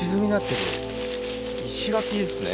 石垣ですね。